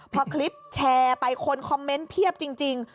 พอคลิปแชร์ไปคนคอมเมนต์เพียบจริง